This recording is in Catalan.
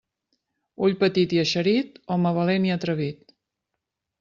Ull petit i eixerit, home valent i atrevit.